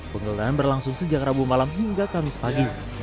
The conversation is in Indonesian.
penggeledahan berlangsung sejak rabu malam hingga kamis pagi